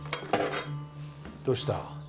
どうした？